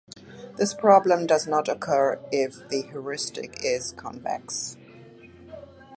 This problem does not occur if the heuristic is convex.